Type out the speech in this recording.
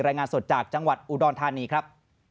รายงานสดจากจังหวัดอุดรธานีครับ